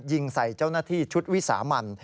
ยิงใส่เจ้าหน้าที่ชุดวิสามัน